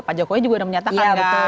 pak jokowi juga udah menyatakan gitu